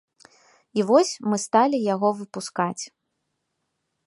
І вось, мы сталі яго выпускаць.